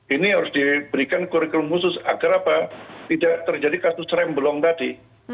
ini harus diberikan kurikulum khusus agar apa tidak terjadi kasus remblong tadi